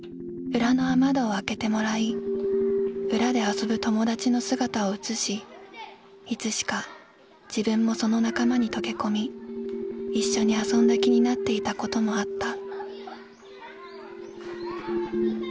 裏の雨戸を開けてもらい裏で遊ぶ友達の姿を写しいつしか自分もその仲間にとけ込みいっしょに遊んだ気になっていた事もあった」。